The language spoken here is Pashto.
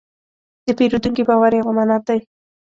د پیرودونکي باور یو امانت دی.